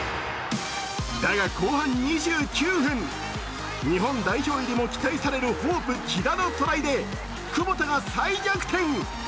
だが後半２９分、日本代表入りも期待されるホープ・木田のトライでクボタが再逆転。